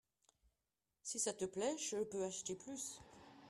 Si ça te plait je peux acheter plus.